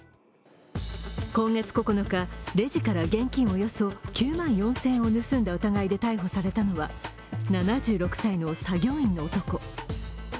今月９日、レジから現金およそ９万４０００円を盗んだ疑いで逮捕されたのは７６歳の作業員の男。